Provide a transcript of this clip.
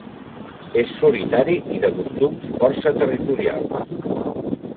És solitari i de costums força territorials.